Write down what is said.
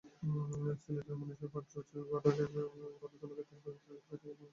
সিলেটের মানুষের পাঠরুচি গড়ে তোলার ক্ষেত্রে বইপত্রের একটি কার্যকর ভূমিকা রয়েছে।